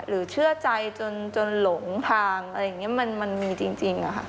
เชื่อใจจนหลงทางอะไรอย่างนี้มันมีจริงค่ะ